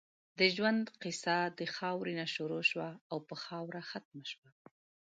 د ژؤند قیصه د خاؤرې نه شروع شوه او پۀ خاؤره ختمه شوه